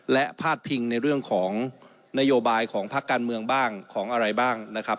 และพาดพิงในเรื่องของนโยบายของพักการเมืองบ้างของอะไรบ้างนะครับ